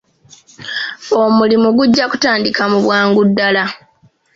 Omulimu gujja kutandika mu bwangu ddaala.